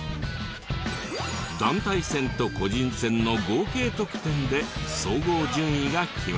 団体戦と個人戦の合計得点で総合順位が決まる。